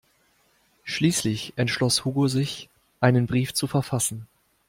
Schließlich entschloss Hugo sich, einen Brief zu verfassen.